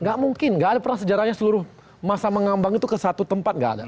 nggak mungkin nggak ada pernah sejarahnya seluruh masa mengambang itu ke satu tempat nggak ada